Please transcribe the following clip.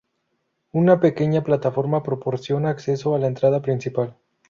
Una pequeña plataforma proporciona acceso a la entrada principal.